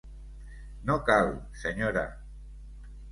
No cal, senyora.